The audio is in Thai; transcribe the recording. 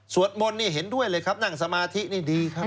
มนต์นี่เห็นด้วยเลยครับนั่งสมาธินี่ดีครับ